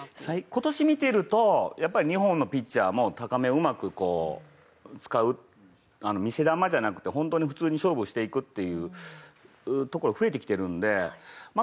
今年見てるとやっぱり日本のピッチャーも高めをうまく使う見せ球じゃなくて本当に普通に勝負していくっていうところ増えてきてるんでまあ